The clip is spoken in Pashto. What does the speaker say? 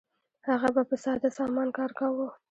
هغه به په ساده سامان کار کاوه.